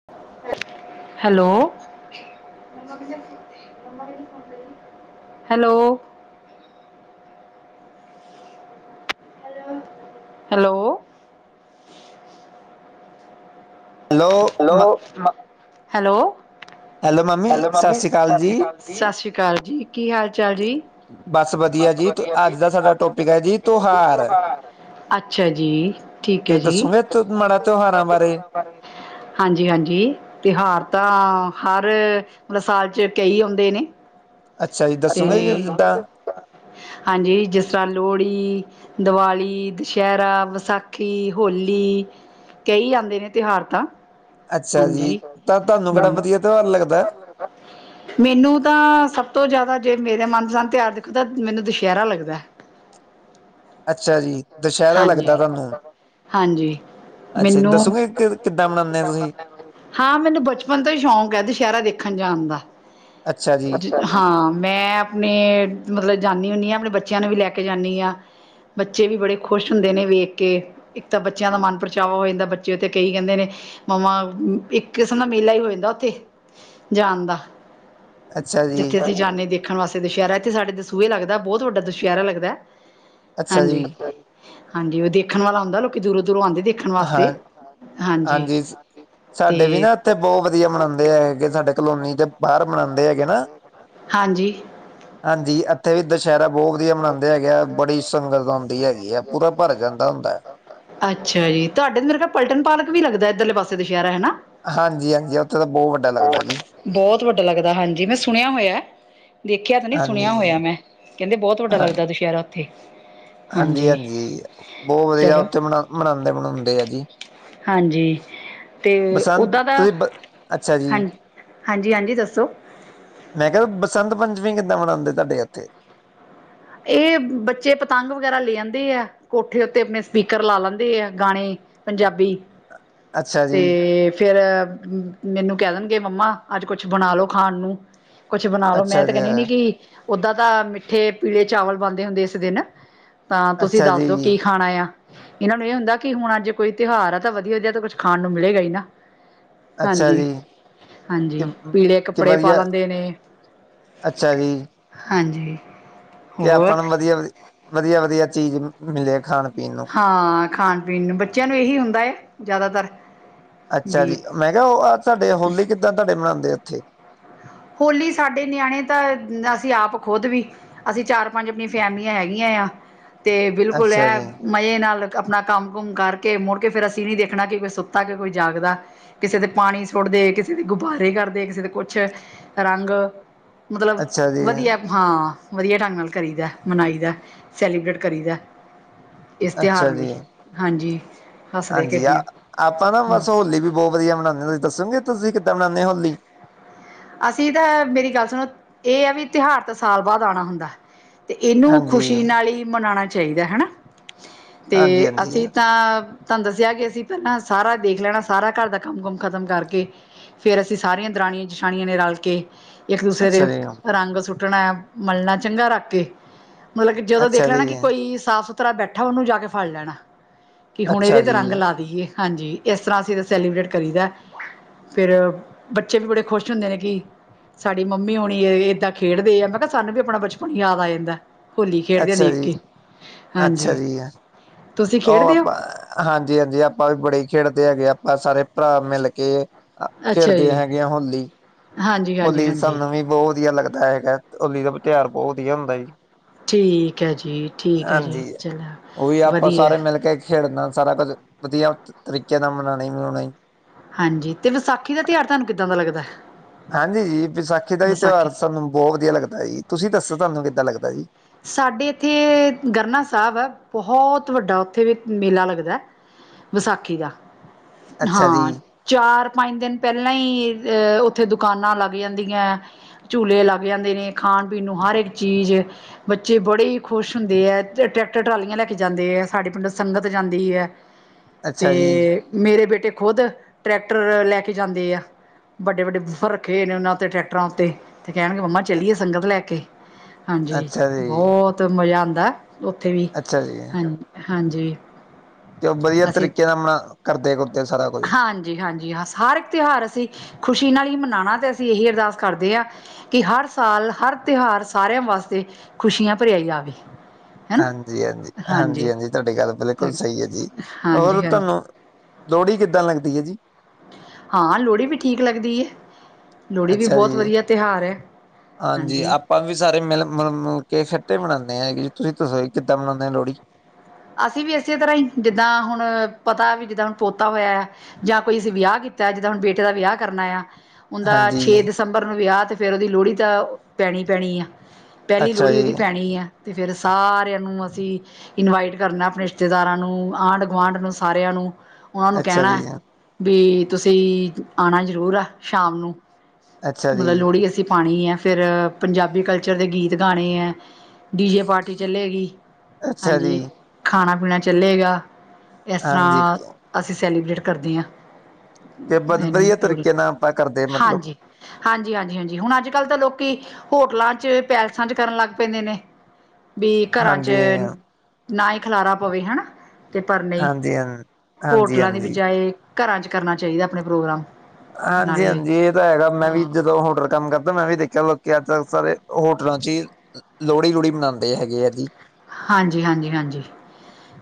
[unintelligible] Hello [inaudible] [unintelligible] hello! Hello! Hello- [unintelligible] hello. Hello mummy Sat Sri ਅਕਾਲ! ਸਤਿ ਸ੍ਰੀ ਅਕਾਲ ਜੀ ਕੀ ਹਾਲ ਚਾਲ ਜੀ? ਬਸ ਵਧੀਆ ਜੀ ਅੱਜ ਦਾ ਆ ਸਾਡਾ ਆਂ ਕੀ ਟੋਪਿਕ ਹੈ ਜੀ ਅਹਂ ਤਿਉਹਾਰ। ਅਹਂ ਹਾਲ। [unintelligible] ਅੱਛਾ ਜੀ, ਠੀਕ ਹੈ ਜੀ। ਉਹ ਮਾੜਾ ਤਿਉਹਾਰਾਂ ਬਾਰੇ [unintelligible] ਪਰ ਹਾਂਜੀ, ਹਾਂਜੀ ਤਿਉਹਾਰ ਤਾਂ ਹਰ ਸਾਲ ਚ ਕਈ ਆਉਂਦੇ ਨੇ। ਅੱਛਾ ਜੀ ਤੇ ਦੱਸੋਗੇ ਕਿ ਜਿੱਦਾਂ ਹਾਂਜੀ‌ ‌‌‌‌‌ਜਿਸ ਤਰ੍ਹਾਂ ਲੋਹੜੀ। ਦੀਵਾਲੀ, ਦੁਸਹਿਰਾ‌, ਵਿਸਾਖੀ, ਹੋਲੀ। ਕਈ ਆਂਦੇ ਨੇ ਤਿਉਹਾਰ ਤਾਂ ਅੱਛਾ ਜੀ ਹਾਂਜੀ ‌‌, ਤਾਂ ਤੁਹਾਨੂੰ ਕਿਹੜਾ ਵਧੀਆ ਤਿਉਹਾਰ ਲੱਗਦਾ? ਅਛ ਅ ਆ [unintelligible] ਮੈਨੂੰ ਤਾਂ ਸਭ ਤੋਂ ਜ਼ਿਆਦਾ ਜੇ ਮੇਰਾ ਮਨਪਸੰਦ ਤਿਉਹਾਰ ਦੇਖੋ ਤਾਂ ਮੈਨੂੰ ਦੁਸਹਿਰਾ ਲੱਗਦਾ। [inaudible] ਅੱਛਾ ਜੀ, ਦੁਸਹਿਰਾ ਹਾਂਜੀ, ਲੱਗਦਾ ਤੁਹਾਨੂੰ। ਹਾਂਜੀ ਅੱਛਾ ਜ, ਮੈਨੂੰ ਦੱਸੋਗੇ ਕਿੱਦਾਂ ਮਨਾਦੇ ਆ ਤੁਸੀਂ? ਹਾਂ ਮੈਨੂੰ ਬਚਪਨ ਤੋਂ ਹੀ ਸ਼ੌਕ ਹੈ ਦੁਸਹਿਰਾ ਦੇਖਨ ਜਾਨ ਦਾ। ਅੱਛਾ ਜੀ, ਹਾਂ, ਮੈਂ ਅਪਨੇ ਮਤਲਬ ਜਾਂਦੀ ਹੁੰਨੀ‌ ਆਂ ਅਪਨੇ ਬੱਚਿਆਂ ਨੂੰ ਵੀ ਲੈ ਕੇ ਜਾਨੀ ਆਂ। ਬੱਚੇ ਵੀ ਬੜੇ ਖੁਸ਼ ਹੁੰਦੇ ਨੇ ਵੇਖ ਕੇ। ਇੱਕ ਤਾਂ ਬੱਚਿਆਂ ਦਾ ਮਨ ਪਰਚਾਵਾ ਹੋ ਜਾਂਦਾ ਬੱਚੇ ਉਥੇ ਕਈ ਕਹਿੰਦੇ ਨੇ। ਮੰਮਾ‌ ਇੱਕ ਕਿਸਮ ਦਾ ਮੇਲਾ ਹੀ ਹੋ ਜਾਂਦਾ ਉੱਥੇ ਜਾਨ ਦਾ। ਅੱਛਾ ਜੀ ਜਿੱਥੇ ਅਸੀਂ ਜਾਨੇ ਦੇ। ਦੇਖਣ ਵਾਸਤੇ ਦੁਸਹਿਰਾ ਇੱਥੇ ਸਾਡੇ ਦਸੂਹੇ ਲੱਗਦਾ ਬਹੁਤ ਵੱਡਾ ਦੁਸਹਿਰਾ ਲੱਗਦਾ ਹੈ ਅੱਛਾ ਜੀ ਹਾਂਜੀ। ਹਾਂਜੀ ਉਹ ਦੇਖਣ ਵਾਲਾ ਹੁੰਦਾ ਲੋਕੀ ਦੂਰੋਂ, ਦੂਰੋਂ ਆਂਦੇ ਦੇਖਨ ਹਾਂ ਵਾਸਤੇ। ਹਾਂਜੀ ਸ, ਤੇ ਸਾਡੇ ਵੀ ਨਾ ਇੱਥੇ ਬਹੁਤ ਵਧੀਆ ਮਨਾਂਦੇ ਐ ਸਾਡੇ ਕਲੋਨੀ ਦੇ ਬਾਹਰ ਮਨਾਂਦੇ ਹੈਗੇ ਨਾ। ਹਾਂਜੀ। ਹਾਂਜੀ‌‌ ਇੱਥੇ ਵੀ ਦੁਸਹਿਰਾ ਬਹੁਤ ਵਧੀਆ ਮਨਾਂਦੇ ਹੈਗੇ ਆ ਬੜੀ ਸੰਗਤ ਆਉਂਦੀ ਹੈਗੀ ਆ। ਪੂਰਾ ਭਰ ਜਾਂਦਾ ਹੁੰਦਾ। ਅੱਛਾ ਜੀ ਤੁਹਾਡੇ ਅੰਦਰ ਨਾ ਪਲਟਣ ਪਾਰਕ ਵੀ ਲੱਗਦਾ ਇੱਧਰ ਲੇ ਪਾਸੇ ਦੁਸਹਿਰਾ ਹੈਨਾ। ਹਾਂਜੀ ਹਾਂਜੀ‌, ਉੱਥੇ ਬਉ ਵਡਾ। ਬਹੁਤ ਵੱਡਾ ਲੱਗਦਾ ਹਾਂਜੀ, ਮੈਂ ਸੁਣਿਆ ਹੋਇਆ। ਦੇਖਿਆ ਤਾਂ ਨਹੀਂ ਸੁਣਿਆ ਹਾਂਜੀ ਹੋਇਆ ਮੈਂ ਕਹਿੰਦੇ ਬਹੁਤ ਵੱਡਾ ਹਾਂ ਲੱਗਦਾ ਦੁਸ਼ਹਿਰਾ ਉੱਥੇ। ਹਾਂਜੀ ਹਾਂਜੀ ਬਹੁਤ ਵਧੀਆ ਚਲੋ ਉੱਥੇ ਮਨਾ ਮਨਾਂਦੇ ਮਨਾਉਂਦੇ ਆ ਜੀ। ਹਾਂਜੀ। ਤੇ ਬਸੰਤ ਓਦਾਂ ਦਾ ਤੁਸੀਂ ਬ ਅੱਛਾ ਜੀ ਹਾਂਜੀ ਹਾਂਜੀ ਹਾਂਜੀ ਦੱਸੋ। ਮੈਂ ਕਿਹਾ ਬਸੰਤ ਪੰਚਮੀ ਕਿੱਦਾਂ ਮਨਾਂਦੇ ਤੁਹਾਡੇ ਏਥੇ। ਇਹ ਬੱਚੇ ਪਤੰਗ ਵਗੈਰਾ ਲੈ ਆਂਦੇ ਆ ਕੋਠੇ ਉੱਤੇ ਅਪਣੇ ਸਪੀਕਰ ਲਾ ਲੈਂਦੇ ਆ ਗਾਣੇ। ਪੰਜਾਬੀ ਅੱਛਾ ਤੇ ਜੀ ਫੇਰ ਮੈਨੂੰ ਕਹਿ ਦੇਨਗੇ ਮੰਮਾ ਅੱਜ ਕੁਛ ਬਣਾ ਲੋ ਖਾਣ ਨੂੰ। ਕੁਛ ਬਨਾ ਲੋ ਮੈਂ ਅੱਛਾ ਤੇ ਜੀ ਕਹਿੰਦੀ ਨ ਕਿ ਉਦਾਂ ਦਾ ਮਿੱਠੇ ਪੀਲੇ ਚਾਵਲ ਬਨਦੇ ਹੁੰਦੇ ਇਸ ਦਿਨ ਤਾਂ ਤੁਸੀਂ ਅੱਛਾ ਦੱਸ ਦੋ ਜੀ ਕੀ ਖਾਣਾ ਯਾ? ਇਹਨਾਂ ਨੂੰ ਇਹ ਹੁੰਦਾ ਕਿ ਹੁਣ ਅੱਜ ਕੋਈ ਤਿਉਹਾਰ ਆ ਤਾਂ ਵਧੀਆ ਜਿਹਾ ਤਾਂ ਕੁਛ ਖਾਣ ਨੂੰ ਮਿਲੇਗਾ ਹੀ ਨਾ। ਅੱਛਾ ਹਾਂਜੀ, ਜੀ ਕਿ ਹਾਂਜੀ ਪੀਲੇ ਕਿ ਕੱਪੜੇ ਪਾ ਵਧੀਆ ਲੈਂਦੇ ਨੇ ਅੱਛਾ ਜੀ, ਹਾਂਜੀ। ਕਿ ਹੋਰ ਆਪਾਂ ਨੂੰ ਵਧੀਆ, ਵ, ਵਧੀਆ ਵਧੀਆ ਚੀਜ਼ ਮਿਲੇ ਖਾਣ ਪੀਣ ਨੂੰ ਹਾਂ ਖਾਣ ਪੀਣ ਨੂੰ ਬੱਚਿਆਂ ਨੂੰ ਇਹੀ ਹੁੰਦਾ ਹੈ ਜ਼ਿਆਦਾਤਰ ਅੱਛਾ ਵੀ ਜੀ, ਮੈਂ ਕਿਹਾ ਉਹ ਹ ਤੁਹਾਡੇ ਹੋਲੀ ਕਿੱਦਾਂ ਤੁਹਾਡੇ ਮਨਾਂਦੇ ਆ ਉੱਥੇ ਹੋਲੀ ਸਾਡੇ ਨਿਆਣੇ ਤਾਂ ਅਸੀਂ ਆਪ ਖੁਦ ਵੀ ਅਸੀਂ ਚਾਰ ਪੰਜ ਆਪਣੀਆਂ ਫੈਮਲੀਆਂ ਹੈਗੀਆਂ ਆ ਤੇ ਬਿਲਕੁਲ ਅੱਛਾ ਇਹ ਜੀ ਮਜ਼ੇ ਨਾਲ ਆਪਣਾ ਕੰਮ ਕੁੁੰਮ ਕਰਕੇ ਮੁੜ ਕੇ ਫਿਰ ਅਸੀਂ ਨਹੀਂ ਦੇਖਣਾ ਕਿ ਕੋਈ ਸੁੱਤਾ ਕਿ ਕੋਈ ਜਾਗਦਾ। ਕਿਸੇ ਦੇ ਪਾਣੀ ਸੁੱਟਦੇ, ਕਿਸੇ ਦੇ ਗੁਬਾਰੇ ਕਰਦੇ, ਕਿਸੇ ਦੇ ਕੁਛ 'ਚ ਰੰਗ ਮਤਲਬ ਅੱਛਾ ਜੀ ਵਧੀਆ। ਹਾਂ ਵਧੀਆ ਢੰਗ ਨਾਲ ਕਰੀ ਦਾ ਮਨਾਈ ਦਾ ਸੈਲੀਬ੍ਰੇਟ ਕਰੀ ਦਾ। ਇਸ ਤਿਉਹਾਰ ਅੱਛਾ ਨੂੰ ਵੀ ਜੀ ਹਾਂਜੀ। ਹੱਸਦੇ ਹਾਂਜੀ ਆ ਖੇਡਦੇ ਹਾਂ ਆਪਾਂ ਨਾ ਹਾਂ ਬਸ ਹੋਲੀ ਵੀ ਬਹੁਤ ਵਧੀਆ ਮਨਾਉਂਦੇ ਹਾਂ ਤੁਸੀਂ ਦੱਸੋਗੇ ਤੁਸੀਂ ਕਿੱਦਾਂ ਮਨਾਉਂਦੇ ਹੋ ਹੋਲੀ। ਅਸੀਂ ਤਾਂ ਮੇਰੀ ਗੱਲ ਸੁਣੋ ਇਹ ਆ ਵੀ ਤਿਉਹਾਰ ਤਾਂ ਸਾਲ ਬਾਅਦ ਆਉਣਾ ਹੁੰਦਾ ਹੈ। ਤੇ ਇਹਨੂੰ ਹਾਂਜੀ ਖ਼ੁਸ਼ੀ ਨਾਲ ਹੀ ਮਨਾਉਣਾ ਚਾਹੀਦਾ ਹਨਾ ਤੇ ਹਾਂਜੀ ਹਾਂਜੀ ਅਸੀਂ ਤਾਂ ਤੁਹਾਨੂੰ ਦੱਸਿਆ ਕਿ ਅਸੀਂ ਪਹਿਲਾਂ ਸਾਰਾ ਦੇਖ ਲੈਣਾ ਸਾਰਾ ਘਰ ਦਾ ਕੰਮ ਕੁਮ ਖ਼ਤਮ ਕਰਕੇ ਫੇਰ ਅਸੀਂ ਸਾਰੀਆਂ ਦਰਾਣੀਆਂ ਜਠਾਣੀਆਂ ਨੇ ਰਲ ਕੇ ਇੱਕ ਦੂਸਰੇ ਦੇ ਅੱਛਾ ਜੀ ਰੰਗ ਸੁੱਟਣਾ। ਮਲਣਾ ਚੰਗਾ ਰੱਖ ਕੇ ਮਤਲਬ ਕਿ ਜਦੋਂ ਅੱਛਾ ਦੇਖ ਲੈਣਾ ਜੀ ਕਿ ਕੋਈ ਸਾਫ਼ ਸੁਥਰਾ। ਤਰ੍ਹਾਂ ਬੈਠਾ ਉਹਨੂੰ ਜਾ ਕੇ ਫੜ ਲੈਣਾ ਕਿ ਹੁਣ ਅੱਛਾ ਇਹਦੇ ਤੇ ਰੰਗ ਜੀ ਲਾ ਦੇਈਏ। ਹਾਂਜੀ ਇਸ ਤਰ੍ਹਾਂ ਅਸੀਂ ਤਾਂ ਸੈਲੀਬ੍ਰੇਟ ਕਰੀਦਾ ਫਿਰ ਬੱਚੇ ਵੀ ਬੜੇ ਖੁਸ਼ ਹੁੰਦੇ ਨੇ ਕਿ ਸਾਡੀ ਮੰਮੀ ਹੁਣੀ ਏਦਾਂ ਖੇਡਦੇ ਆ ਮੈਂ ਕਿਹਾ ਸਾਨੂੰ ਵੀ ਆਪਣਾ ਬਚਪਨ ਯਾਦ ਆ ਜਾਂਦਾ ਹੈ। ਹੋਲੀ ਖੇਡਦੇ ਆ ਅੱਛਾ ਦੇਖ ਜੀ ਕੇ ਅੱਛਾ ਹਾਂਜੀ ਜੀ ਤੁਸੀਂ ਉਹ ਖੇਡਦੇ ਹੋ। ਆਪਾਂ ਹਾਂਜੀ ਹਾਂਜੀ ਆਪਾਂ ਵੀ ਬੜੇ ਖੇਡਦੇ ਹੈਗੇ ਆਪਾਂ ਸਾਰੇ ਭਰਾ ਮਿਲ ਕੇ ਅੱਛਾ ਖੇਡਦੇ ਜੀ ਹੈਗੇ ਆ ਹੋਲੀ। ਹਾਂਜੀ ਹਾਂਜੀ ਹੋਲੀ ਹਾਂਜੀ ਸਾਨੂੰ ਵੀ ਬਹੁਤ ਵਧੀਆ ਲੱਗਦਾ ਹੈਗਾ ਹੋਲੀ ਦਾ ਤਿਉਹਾਰ ਬਹੁਤ ਵਧੀਆ ਹੁੰਦਾ ਜੀ। ਠੀਕ ਹੈ ਜੀ ਠੀਕ ਹੈ ਜੀ ਹਾਂਜੀ ਉਹ ਵੀ ਚਲੋ ਆਪਾਂ ਵਧੀਆ। ਸਾਰੇ ਮਿਲ ਕੇ ਖੇਡਣਾ ਸਾਰਾ ਕੁਝ ਵਧੀਆ ਤਰੀਕੇ ਨਾਲ ਮਨਾਉਣਾ ਮਨਾਉਣਾ। ਹਾਂਜੀ ਤੇ ਵਿਸਾਖੀ ਦਾ ਤਿਉਹਾਰ ਤੁਹਾਨੂੰ ਕਿੱਦਾਂ ਦਾ ਲੱਗਦਾ ਹੈ। ਹਾਂਜੀ ਜੀ ਵਿਸਾਖੀ ਦਾ ਵੀ ਤਿਉਹਾਰ ਸਾਨੂੰ ਬਹੁਤ ਵਧੀਆ ਲੱਗਦਾ ਜੀ ਤੁਸੀਂ ਦੱਸੋ ਤੁਹਾਨੂੰ ਕਿੱਦਾਂ ਲੱਗਦਾ ਜੀ। ਸਾਡੇ ਇੱਥੇ ਗਰਨਾ ਸਾਹਿਬ ਹੈ ਬਹੁਤ ਵੱਡਾ ਉੱਥੇ ਵੀ ਮੇਲਾ ਲੱਗਦਾ ਹੈ। ਵਿਸਾਖੀ ਦਾ ਅੱਛਾ ਹਾਂ। ਜੀ ਚਾਰ ਪੰਜ ਦਿਨ ਪਹਿਲਾਂ ਹੀ ਉੱਥੇ ਦੁਕਾਨਾਂ ਲੱਗ ਜਾਂਦੀਆਂ ਹੈ। ਝੂਲੇ ਲੱਗ ਜਾਂਦੇ ਨੇ ਖਾਣ ਪੀਣ ਨੂੰ ਹਰ ਇੱਕ ਚੀਜ਼। ਬੱਚੇ ਬੜੇ ਹੀ ਖੁਸ਼ ਹੁੰਦੇ ਹੈ। ਟਰੈਕਟਰ ਟਰਾਲੀਆਂ ਲੈ ਕੇ ਜਾਂਦੇ ਹੈ। ਸਾਡੇ ਪਿੰਡ ਸੰਗਤ ਜਾਂਦੀ ਹੈ। ਤੇ ਅੱਛਾ ਜੀ ਮੇਰੇ ਬੇਟੇ ਖੁਦ ਟਰੈਕਟਰ ਲੈ ਕੇ ਜਾਂਦੇ ਆ। ਵੱਡੇ ਵੱਡੇ ਬੁਫਰ ਰੱਖੇ ਨੇ ਉਹਨਾਂਤੇ ਟਰੈਕਟਰਾਂ ਉੱਤੇ ਤੇ ਕਹਿਣਗੇ ਮੰਮਾ ਚਲੀਏ ਸੰਗਤ ਲੈ ਕੇ ਹਾਂਜੀ ਅੱਛਾ ਜੀ ਬਹੁਤ ਮਜਾ ਆਉਂਦਾ ਉਥੇ ਵੀ ਅੱਛਾ ਜੀ ਹਾਂ ਹਾਂਜੀ। ਤੇ ਉਹ ਵਧੀਆ ਅਸੀਂ ਤਰੀਕੇ ਨਾਲ ਕਰਦੇ। ਸਾਰਾ ਕੁਝ ਹਾਂਜੀ ਹਾਂਜੀ ਹ ਹਰ ਇੱਕ ਤਿਉਹਾਰ ਅਸੀਂ ਖੁਸ਼ੀ ਨਾਲ ਹੀ ਮਨਾਉਣਾ ਤਾਂ ਅਸੀਂ ਇਹੀ ਅਰਦਾਸ ਕਰਦੇ ਹਾਂ ਕਿ ਹਰ ਸਾਲ ਹਰ ਤਿਉਹਾਰ ਸਾਰਿਆਂ ਵਾਸਤੇ ਖੁਸ਼ੀਆਂ ਭਰਿਆ ਹੀ ਆਵੇ। ਹਨਾ ਹਾਂਜੀ ਹਾਂਜੀ ਹਾਂਜੀ ਹਾਂਜੀ ਤੁਹਾਡੀ ਗੱਲ ਬਿਲਕੁੱਲ ਸਹੀ ਹੈ ਜੀ ਹੋਰ ਹਾਂਜੀ ਹਾਂਜੀ ਤੁਹਾਨੂੰ ਲੋਹੜੀ ਕਿੱਦਾਂ ਲੱਗਦੀ ਹੈ ਜੀ। ਹਾਂ ਲੋਹੜੀ ਵੀ ਠੀਕ ਲੱਗਦੀ ਹੈ। ਲੋਹੜੀ ਵੀ ਅੱਛਾ ਬਹੁਤ ਜੀ ਵਧੀਆ ਤਿਉਹਾਰ ਹੈ ਹਾਂਜੀ। ਆਪਾਂ ਵੀ ਸਾਰੇ ਮਿਲ ਮਿਲੁ ਕੇ ਇੱਕਠੇ ਮਨਾਉਂਦੇ ਆ ਜੀ ਤੁਸੀਂ ਦੱਸੋ ਕਿੱਦਾਂ ਮਨਾਉਂਦੇ ਹੋ ਲੋਹੜੀ। ਅਸੀਂ ਵੀ ਇਸੇ ਤਰ੍ਹਾਂ ਹੀ ਜਿੱਦਾਂ ਹੁਣ ਪਤਾ ਵੀ ਜਿੱਦਾਂ ਹੁਣ ਪੋਤਾ ਹੋਇਆ ਆ। ਜਾਂ ਕੋਈ ਅਸੀਂ ਵਿਆਹ ਕੀਤਾ ਜਿੱਦਾਂ ਹੁਣ ਬੇਟੇ ਦਾ ਵਿਆਹ ਕਰਨਾ ਆ। ਉਹਦਾ ਹਾਂਜੀ ਛੇ ਦਸੰਬਰ ਨੂੰ ਵਿਆਹ ਤੇ ਫੇਰ ਉਹਦੀ ਲੋਹੜੀ ਤਾਂ ਪੈਣੀ ਪੈਣੀ ਆ। ਪਹਿਲੀ ਅੱਛਾ ਲੋਹੜੀ ਉਹਦੀ ਜੀ ਪੈਣੀ ਹੈ ਤੇ ਫਿਰ ਸਾਰਿਆਂ ਨੂੰ ਅਸੀਂ ਇਨਵਾਈਟ ਕਰਨਾ ਆਪਣੇ ਰਿਸ਼ਤੇਦਾਰਾਂ ਨੂੰ, ਆਂਢ ਗੁਆਂਢ ਨੂੰ, ਸਾਰਿਆਂ ਨੂੰ ਉਹਨਾਂ ਨੂੰ ਅੱਛਾ ਕਹਿਣਾ ਹੈ। ਜੀ, ਵੀ ਤੁਸੀਂ ਆਉਣਾ ਜ਼ਰੂਰ ਆ ਸ਼ਾਮ ਨੂੰ। ਅੱਛਾ ਮਤਲਬ ਜੀ, ਲੋਹੜੀ ਅਸੀਂ ਪਾਉਣੀ ਹੈ। ਫਿਰ ਪੰਜਾਬੀ ਕਲਚਰ ਦੇ ਗੀਤ ਗਾਉਣੇ ਆਂ। ਡੀ ਜੇ ਪਾਰਟੀ ਚੱਲੇਗੀ ਅੱਛਾ ਹਾਂਜੀ ਜੀ। ਖਾਣਾ ਪੀਣਾ ਚੱਲੇਗਾ। ਇਸ ਹਾਂਜੀ, ਤਰ੍ਹਾਂ ਕਿ ਅਸੀਂ ਸੈਲੀਬ੍ਰੇਟ ਕਰਦੇ ਹਾਂ। ਬ ਇਹਨੂੰ ਵਧੀਆ ਲੋਹੜੀ ਤਰੀਕੇ ਨਾਲ ਆਪਾਂ ਕਰਦੇ ਮਤਲਬ ਹਾਂਜੀ ਹਾਂਜੀ ਹਾਂਜੀ ਹਾਂਜੀ ਹੁਣ ਅੱਜ ਕੱਲ੍ਹ ਤਾਂ ਲੋਕੀ ਹੋਟਲਾਂ 'ਚ, ਪੈਲਸਾਂ 'ਚ ਕਰਨ ਲੱਗ ਪੈਂਦੇ ਨੇ ਵੀ ਘਰਾਂ 'ਚ ਹਾਂਜੀ, ਨਾ ਹੀ ਖਿਲਾਰਾ ਪਵੇ ਹਨਾ ਤੇ ਪਰ ਨਹੀਂ ਹਾਂਜੀ, ਹਾਂ ਹਾਂਜੀ, ਹੋਟਲਾਂ ਦੀ ਹਾਂਜੀ। ਬਜਾਏ ਘਰਾਂ 'ਚ ਕਰਨਾ ਚਾਹੀਦਾ ਆਪਣੇ ਪ੍ਰੋਗਰਾਮ। ਹਾਂਜੀ ਨਾਲੇ ਹਾਂਜੀ ਇਹ ਤਾਂ ਹੈਗਾ ਮੈਂ ਵੀ ਹਾਂ ਜਦੋਂ ਹੋਟਲ ਕੰਮ ਕਰਦਾ ਮੈਂ ਵੀ ਦੇਖਿਆ ਕਹਿ ਲਓ ਕਿ ਅੱਜ ਕਲ ਸਾਰੇ ਹੋਟਲਾਂ ਚ ਹੀ ਲੋਹੜੀ ਲੂਹੜੀ ਮਨਾਉਂਦੇ ਹੈਗੇ ਆ ਜੀ। ਹਾਂਜੀ ਹਾਂਜੀ ਹਾਂਜੀ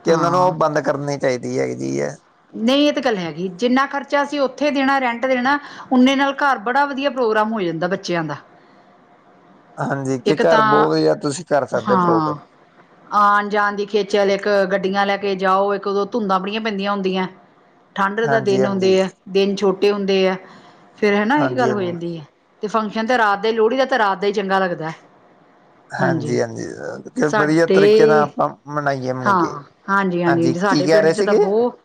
ਕਿ ਉਹਨਾਂ ਨੂੰ ਉਹ ਹਾਂ। ਬੰਦ ਕਰਨੀ ਚਾਹੀਦੀ ਹੈਗੀ ਜੀ। ਨਹੀਂ ਇਹ ਤਾਂ ਗੱਲ ਹੈਗੀ ਜਿੰਨਾ ਖਰਚਾ ਅਸੀਂ ਉੱਥੇ ਦੇਣਾ ਰੈਂਟ ਦੇਣਾ ਉਨੇ ਨਾਲ ਘਰ ਬੜਾ ਵਧੀਆ ਪ੍ਰੋਗਰਾਮ ਹੋ ਜਾਂਦਾ ਬੱਚਿਆਂ ਦਾ। ਹਾਂਜੀ ਕਿ ਇੱਕ ਘਰ ਤਾਂ ਬਹੁਤ ਵਧੀਆ ਤੁਸੀਂ ਕਰ ਸਕਦੇ ਹੋ ਪ੍ਰੋਗਰਾਮ। ਆਉਣ ਜਾਣ ਦੀ ਖੇਚਲ ਇੱਕ ਗੱਡੀਆਂ ਲੈ ਕੇ ਜਾਓ ਇੱਕ ਉਦੋਂ ਧੁੰਦਾਂ ਬੜੀਆਂ ਪੈਂਦੀਆਂ ਹੁੰਦੀਆਂ। ਠੰਡ ਦੇ ਹਾਂਜੀ, ਦਿਨ ਹਾਂਜੀ, ਹੁੰਦੇ ਆ ਦਿਨ ਛੋਟੇ ਹੁੰਦੇ ਆ ਫਿਰ ਹਨਾ ਇਹ ਹਾਂਜੀ, ਗੱਲ ਹੋ ਹਾਂ ਜਾਂਦੀ ਹੈ। ਤੇ ਫੰਕਸ਼ਨ ਤਾਂ ਰਾਤ ਦਾ ਹੀ ਲੋਹੜੀ ਦਾ ਤਾਂ ਰਾਤ ਦਾ ਹੀ ਚੰਗਾ ਲਗਦਾ ਹੈ। ਹਾਂਜੀ ਹਾਂਜੀ ਵਧੀਆ ਤਰੀਕੇ ਨਾਲ ਸਾਡੇ ਆਪਾਂ ਮਨਾਈਏ। ਮੁਣਈਏ ਹਾਂ ਹਾਂਜੀ ਹਾਂਜੀ ਹਾਂ ਕੀ ਸਾਡੇ ਕਹਿ ਪਿੰਡ ਰਹੇ ਚ ਤਾਂ ਸੀਗੇ ਬਹੁਤ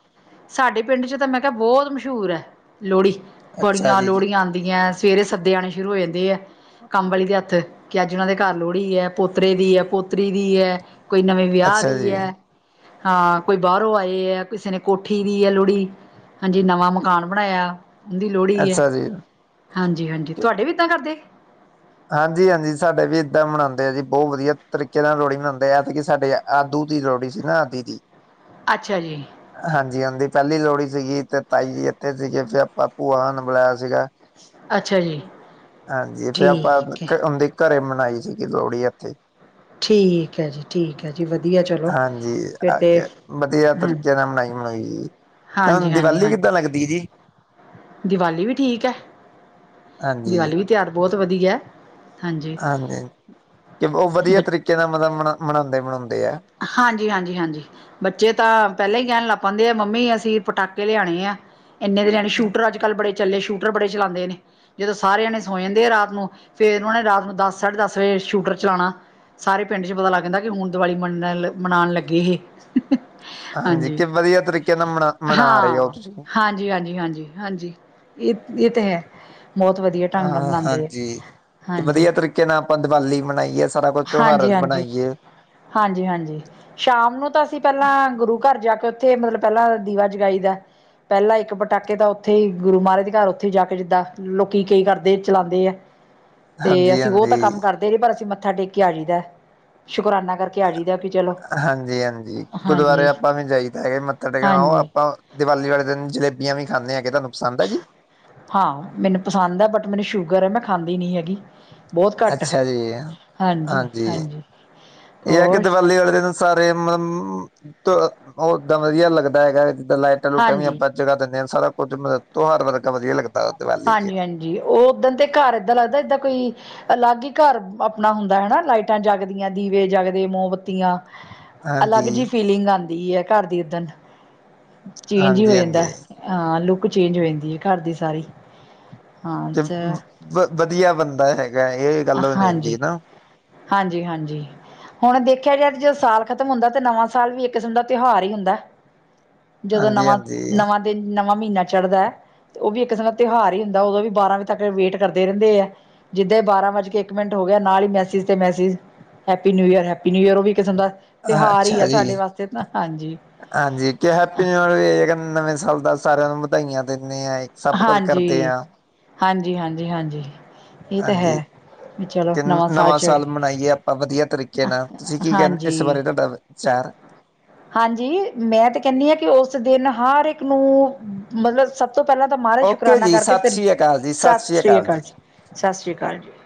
ਸਾਡੇ ਪਿੰਡ ਚ ਤਾਂ ਮੈਂ ਕਿਹਾ ਬਹੁਤ ਮਸ਼ਹੂਰ ਹੈ ਲੋਹੜੀ ਅੱਛਾ ਬੜੀਆਂ ਜੀ। ਲੋਹੜੀਆਂ ਆਂ ਦੀਆਂ ਸਵੇਰੇ ਸੱਦੇ ਆਉਣੇ ਸ਼ੁਰੂ ਹੋ ਜਾਂਦੇ ਆ ਕੰਮ ਵਾਲੀ ਦੇ ਹੱਥ ਵੀ ਕਿ ਅੱਜ ਉਹਨਾਂ ਦੇ ਘਰ ਲੋਹੜੀ ਹੈ ਪੋਤਰੇ ਦੀ ਹੈ ਪੋਤਰੀ ਦੀ ਹੈ ਕੋਈ ਨਵੇਂ ਵਿਆਹ ਅੱਛਾ ਦੀ ਜੀ, ਹੈ। ਹਾਂ ਕੋਈ ਬਾਹਰੋਂ ਆਏ ਹੈ ਕਿਸੇ ਨੇ ਕੋਠੀ ਦੀ ਹੈ ਲੋਹੜੀ। ਹਾਂਜੀ ਨਵਾਂ ਮਕਾਨ ਬਣਾਇਆ ਉਹਦੀ ਲੋਹੜੀ ਹੈ ਅੱਛਾ ਜੀ। ਹਾਂਜੀ ਹਾਂਜੀ ਤੁਹਾਡੇ ਵੀ ਏਦਾਂ ਕਰਦੇ। ਹਾਂਜੀ ਹਾਂਜੀ ਸਾਡੇ ਵੀ ਇੱਦਾਂ ਮਨਾਉਂਦੇ ਆ ਜੀ ਬਹੁਤ ਵਧੀਆ ਤਰੀਕੇ ਨਾਲ ਲੋਹੜੀ ਮਨਾਉਂਦੇ ਐਤਕੀ ਸਾਡੇ ਆ ਆਦੂ ਦੀ ਲੋਹੜੀ ਸੀ ਨਾ ਆਦੀ ਦੀ। ਅੱਛਾ ਜੀ। ਹਾਂਜੀ ਇਹਂਦੀ ਪਹਿਲੀ ਲੋਹੜੀ ਸੀਗੀ ਤੇ ਤਾਈ ਜੀ ਇੱਥੇ ਸੀਗੇ ਫਿਰ ਆਪਾਂ ਭੂਆ ਨੂੰ ਬੁਲਾਇਆ ਸੀਗਾ। ਅੱਛਾ ਜੀ ਹਾਂਜੀ ਫਿਰ ਆਪਾਂ ਠੀਕ ਹੈ ਉਹਦੇ ਘਰੇ ਮਨਾਈ ਸੀਗੀ ਲੋਹੜੀ ਇੱਥੇ। ਠੀਕ ਹੈ ਜੀ ਠੀਕ ਹੈ ਜੀ ਵਧੀਆ ਚਲੋ ਹਾਂਜੀ ਫਿਰ ਆ ਤੇ ਕੇ ਵਧੀਆ ਹਾਂ। ਤਰੀਕੇ ਮਨਾਈ ਮਨਾਈ ਜੀ ਤੁਹਾਨੂੰ ਹਾਂਜੀ ਦੀਵਾਲੀ ਹਾਂਜੀ ਕਿੱਦਾਂ ਲੱਗਦੀ ਜੀ। ਦੀਵਾਲੀ ਵੀ ਠੀਕ ਹੈ। ਹਾਂਜੀ, ਦੀਵਾਲੀ ਵੀ ਤਿਉਹਾਰ ਬਹੁਤ ਵਧੀਆ। ਹਾਂਜੀ ਕਿ ਉਹ ਬ ਵਧੀਆ ਤਰੀਕੇ ਨਾਲ ਮਤਲੱਬ ਮਨਾ ਮਨਾਉਂਦੇ ਮਨਾਉਂਦੇ ਆ। ਹਾਂਜੀ ਹਾਂਜੀ ਹਾਂਜੀ। ਬੱਚੇ ਤਾਂ ਪਹਿਲਾਂ ਹੀ ਕਹਿਣ ਲੱਗ ਪਾੈਦੇ ਆ ਮੰਮੀ ਅਸੀ ਪਟਾਕੇ ਲਿਆਣੇ ਆ ਇੰਨੇ ਦੇ ਲਿਆਣੇ ਸ਼ੂਟਰਾਂ 'ਚ ਅਜ ਕਲ ਬੜੇ ਚੱਲੇਦੇ ਸ਼ੂਟਰ ਬੜੇ ਚਲਾਂਦੇ ਨੇ। ਜਦੋਂ ਸਾਰੇਆਂਣੇ ਸੋਏ ਜਾਂਦੇ ਆ ਰਾਤ ਨੂੰ ਫੇਰ ਉਹਨਾਂ ਨੇ ਰਾਤ ਨੂੰ ਦਸ ਸਾਢੇ ਦਸ ਵਜੇ ਸ਼ੂਟਰ ਚਲਾਉਣਾ। ਸਾਰੇ ਪਿੰਡ 'ਚ ਪਤਾ ਲੱਗ ਜਾਦਾ ਕਿ ਹੁਣ ਦੀਵਾਲੀ ਮੰਨ ਮਨਾਉਣ ਲੱਗੇ ਇਹ। ਹਾਂਜੀ ਕਿ ਵਧੀਆ ਤਰੀਕੇ ਨਾਲ ਮਨਾ ਮਨਾ ਰਹੇ ਹੋ ਹਾਂ ਤੁਸੀਂ। ਹਾਂਜੀ, ਹਾਂਜੀ, ਹਾਂਜੀ। ਹਾਂਜੀ ਇਹ ਤਾਂ ਹੈ ਬਹੁਤ ਵਧੀਆ ਢੰਗ ਨਾਲ ਹਾਂ ਬਣਾਉਂਦੇ ਆ ਹਾਂਜੀ ਜੀ ਹਾਂਜੀ ਵਧੀਆ ਤਰੀਕੇ ਨਾਲ ਆਪਾਂ ਦੀਵਾਲੀ ਮਨਾਈਏ ਸਾਰਾ ਕੁਛ ਤਿਉਹਾਰ ਹਾਂਜੀ, ਹਾਂਜੀ, ਬਣਾਈਏ ਹਾਂਜੀ, ਹਾਂਜੀ। ਸ਼ਾਮ ਨੂੰ ਤਾਂ ਅਸੀਂ ਪਹਿਲਾਂ ਗੁਰੂ ਘਰ ਜਾ ਕੇ ਉੱਥੇ ਮਤਲੱਬ ਪਹਿਲਾਂ ਦੀਵਾ ਜਗਾਈ ਦਾ। ਪਹਿਲਾਂ ਇੱਕ ਪਟਾਕੇ ਤਾਂ ਉਥੇ ਹੀ ਗੁਰੂ ਮਹਾਰਾਜ ਦੇ ਘਰ ਉਥੇ ਹੀ ਜਾ ਕੇ ਜਿੱਦਾਂ ਲੋਕੀ ਕਈ ਕਰਦੇ ਚਲਾਉਂਦੇ ਹੈ। ਤੇ ਹਾਂਜੀ ਅਸੀਂ ਉਹ ਤਾਂ ਹਾਂਜੀ ਕੰਮ ਕਰਦੇ ਨਹੀਂ ਪਰ ਅਸੀਂ ਮੱਥਾ ਟੇਕ ਕੇ ਆ ਜਾਈਦਾ ਸ਼ੁਕਰਾਨਾ ਕਰਕੇ ਆ ਜਾਈਦਾ ਕਿ ਚਲੋ ਹਾਂਜੀ, ਹਾਂਜੀ ਗੁਰੂਦੁਆਰੇ ਹਾਂਜੀ ਆਪਾਂ ਵੀ ਜਾਈ ਤਾਂ ਹੈਗੇ ਮੱਥਾ ਟੇਕਣ ਉਹ ਹਾਂਜੀ ਆਪਾਂ ਦੀਵਾਲੀ ਵਾਲੇ ਦਿਨ ਜਲੇਬੀਆਂ ਵੀ ਖਾਂਦੇ ਹਾਂਗੇ ਤੁਹਾਨੂੰ ਪਸੰਦ ਹੈ ਜੀ। ਹਾਂ ਮੈਨੂੰ ਪਸੰਦ ਹੈ ਬਟ ਮੈਨੂੰ ਸ਼ੂਗਰ ਹੈ ਮੈਂ ਖਾਂਦੀ ਨੀ ਹੈਗੀ। ਬਹੁਤ ਘੱਟ ਅੱਛਾ ਜੀ ਹਾਂਜੀ ਇਹ ਹੈ ਕਿ ਹੋਰ ਦੀਵਾਲੀ ਵਾਲੇ ਦਿਨ ਸਾਰੇ ਮਤਲੱਬ ਓਦਾਂ ਵਧੀਆ ਲੱਗਦਾ ਹੈਗਾ ਜਿੱਦਾਂ ਲਾਈਟਾਂ ਲੂਟਾਂ ਵੀ ਹਾਂਜੀ ਆਪਾਂ ਜਗਾਂ ਦਿਨੇਂ ਹਾਂ ਸਾਰਾ ਕੁੱਝ ਤਿਉਹਾਰ ਵਰਗਾ ਵੀ ਲਗਦਾ। ਹਾਂਜੀ ਹਾਂਜੀ ਉਹ ਉਦਣ ਤੇ ਘਰ ਏਦਾਂ ਲੱਗਦਾ ਏਦਾਂ ਕੋਈ ਅਲੱਗ ਹੀ ਘਰ ਆਪਣਾ ਹੁੰਦਾ ਹਨਾ। ਲਾਈਟਾਂ ਜਗਦੀਆਂ ਦੀਵੇ ਜਗਦੇ ਮੋਮਬੱਤੀਆਂ। ਹਾਂਜੀ ਅਲੱਗ ਜਿਹੀ ਫੀਲਿੰਗ ਆਉਂਦੀ ਹੈ। ਘਰ ਦੀ ਉਦਣ ਚੇਂਜ ਹੀ ਹੋ ਹਾਂਜੀ ਜਾਂਦਾ। ਹਾਂਜੀ ਹਾਂ ਲੁੱਕ ਚੇਂਜ ਹੋ ਜਾਂਦੀ ਹੈ। ਘਰ ਦੀ ਸਾਰੀ ਹਾਂ ਚ ਵਧੀਆ ਬੰਦਾ ਹੈਗਾ ਇਹ। ਗੱਲ ਹੁੰਦੀ ਹਾਂਜੀ- ਨਾ ਹਾਂਜੀ -ਹਾਂਜੀ। ਹੁਣ ਦੇਖਿਆ ਜਾ ਜਦੋ ਸਾਲ ਖਤਮ ਹੁੰਦਾ। ਤਾਂ ਨਵਾ ਸਾਲ ਵੀ ਇਕ ਕਿਸਮ ਦਾ ਤਿਉਹਾਰ ਹੀ ਹੁੰਦਾ। ਜਦੋਂ ਨਵਾਂ- ਹਾਂਜੀ-ਹਾਂਜੀ, ਨਵਾਂ ਦਿਨ ਨਵਾਂ ਮਹੀਨਾ ਚੜ੍ਹਦਾ ਹੈ। ਤੇ ਉਹ ਵੀ ਇਕ ਸਮੇਾ ਤਿਉਹਾਰ ਹੀ ਹੁੰਦਾ। ਉਦੋ ਵੀ ਬਾਰਾਂ ਵਜੇ ਤੱਕ ਵੇਟ ਕਰਦੇ ਰਹਿਦੇ ਆ। ਜਿੱਦਾਂ ਹੀ ਬਾਰਾਂ ਸਟੇਟਮੈਂਟ ਕੇ ਹੋ ਗਿਆ ਨਾਲ ਹੀ। ਮੈਸਜ ਤੇ message happy new year - happy new year ਵੀ ਕਿਸਮ ਦਾ ਤਿਉਹਾਰ ਹੀ ਆ ਅੱਛਾ ਸਾਡੇ ਜੀ। ਵਾਸਤੇ ਤਾਂ ਹਾਂਜੀ। ਹਾਂਜੀ ਕਿ ਹੈਪੀ ਨਿਊ ਨਵੇ ਸਾਲ ਦਾ ਸਾਰਿਆਂ ਨੂੰ ਵਧਾਈਆਂ ਦਿੰਦੇ ਆ। ਸਭ ਕੁਝ ਕਰਦੇ ਹਾਂਜੀ- ਆ। ਹਾਂਜੀ- ਹਾਂਜੀ -ਹਾਂਜੀ ਇਹ ਤਾਂ ਹੈ। ਹਾਂਜੀ। ਵੀ ਚਲੋ ਕਿ ਨਵਾਂ ਚੜ ਸਾਲ ਮਨਾਈਏ ਆਪਾਂ ਵਧੀਆ ਤਰੀਕੇ ਨਾਲ। ਤੁਸੀ ਕੀ ਕਹਿ ਇਸ ਹਾਂਜੀ ਬਾਰੇ ਤੁਹਾਡਾ ਵਿਚਾਰ। ਹਾਂਜੀ। ਮੈ ਤੇ ਕਹਿਦੀ ਹਾਂ ਕਿ ਉਸ ਦਿਨ ਹਰ ਇਕ ਨੂੰ ਮਤਲਬ ਸਭ ਤੋ ਪਹਿਲਾਂ ਤਾਂ ਮਹਾਰਾਜ ਦਾ ਓਕੇ ਸ਼ੁਕਰਾਨਾ ਜੀ, ਕਰਕੇ। ਸਤਿ ਫਿਰ ਸ੍ਰੀ ਅਕਾਲ ਜੀ, ਸਤਿ ਸ੍ਰੀ ਅਕਾਲ ਜੀ ਸਤਿ ਸ੍ਰੀ ਅਕਾਲ ਜੀ।